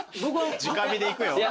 じか火でいくよ。